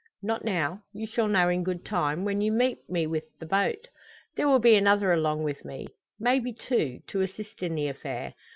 "Not now; you shall know in good time when you meet me with the boat. There will be another along with me may be two to assist in the affair.